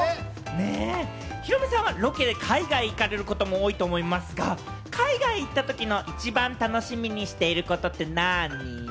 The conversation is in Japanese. ヒロミさんはロケで海外に行かれることも多いと思いますが、海外行ったときの一番楽しみにしてることってなぁに？